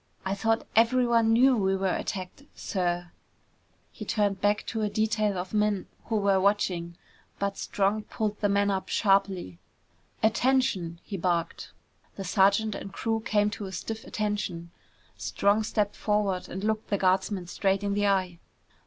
"I thought everyone knew we were attacked, sir!" He turned back to a detail of men who were watching. But Strong pulled the man up sharply. "Attention!" he barked. The sergeant and the crew came to stiff attention. Strong stepped forward and looked the guardsman straight in the eye.